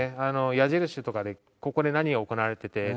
矢印とかでここで何が行われててっていう。